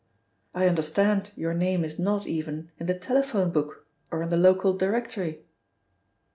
"I understand your name is not even in the telephone book or in the local directory."